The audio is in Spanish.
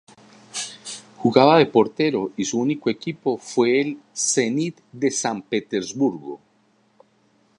Jugaba de portero y su único equipo fue el Zenit de San Petersburgo.